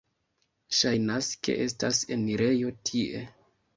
Ŝajnas, ke estas enirejo tie.